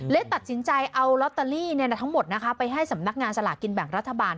ตัดสินใจเอาลอตเตอรี่ทั้งหมดไปให้สำนักงานสลากกินแบ่งรัฐบาล